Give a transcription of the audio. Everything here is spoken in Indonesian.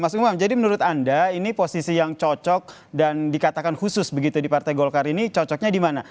mas umam jadi menurut anda ini posisi yang cocok dan dikatakan khusus begitu di partai golkar ini cocoknya di mana